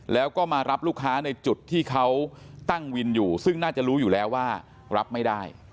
แล้วก็มารับลูกค้าในจุดที่เขาตั้งวินอยู่ซึ่งน่าจะรู้อยู่แล้วว่ารับไม่ได้